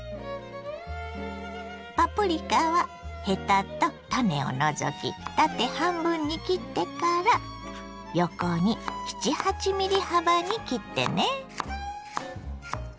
パプリカはヘタと種を除き縦半分に切ってから横に７８ｍｍ幅に切ってね。